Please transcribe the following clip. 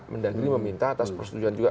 mendagri meminta atas persetujuan juga